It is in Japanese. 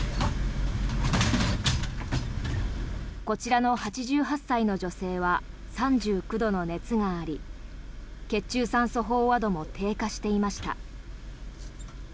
こちらの８８歳の女性は３９度の熱があり血中酸素飽和度も低下していました。